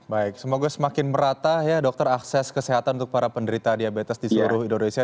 baik semoga semakin merata ya dokter akses kesehatan untuk para penderita diabetes di seluruh indonesia